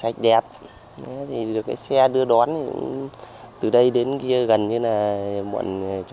thì mất tiền nước